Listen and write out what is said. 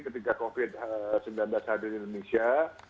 ketika covid sembilan belas hadir di indonesia